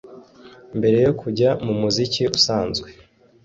mbere yo kujya mu muziki usanzwe